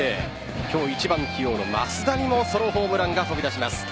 今日、１番起用の増田にもソロホームランが飛び出します。